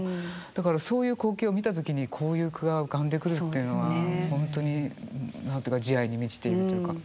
だからそういう光景を見た時にこういう句が浮かんでくるっていうのは本当に何て言うか慈愛に満ちているというか。